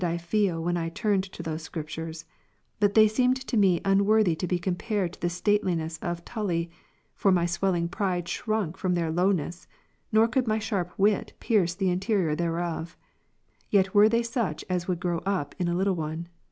For not as I now speak, \ did I feel when I turned to those Scriptures; but they seemed to me unworthy to be compared to the stateliness of Tully : for my swelling pride shrunk from their lowliness, nor could my sharp wit pierce the interior thereof. Yet were they such as would grow up in a little one.